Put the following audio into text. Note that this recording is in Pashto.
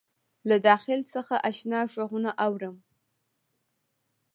له داخل څخه آشنا غــــــــــږونه اورم